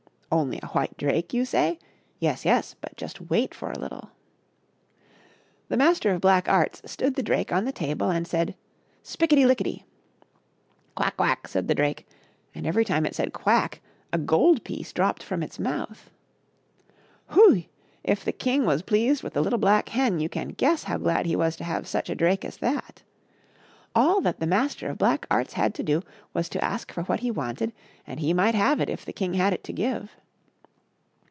" Only a white drake !" you say ? Yes, yes ; but just wait for a little ! The Master of Black Arts stood the drake on the table and said, " Spickety lickety !"" Quack ! quack !*' said the drake, and every time it said " quack " a gold piece dropped from its mouth. Hui ! if the king was pleased with the little black hen, you can guess how glad he was to have such a drake as that! All that the Master of Black Arts had to do was to ask for what he wanted, and he might have it if the king had it to give.